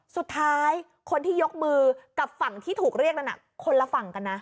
สุดท้ายคนที่ยกมือกับฝั่งที่ถูกเรียกนั้นคนละฝั่งกันนะ